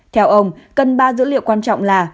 theo ông cần ba dữ liệu quan trọng là